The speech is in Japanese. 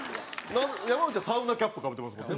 山内はサウナキャップかぶってますけど。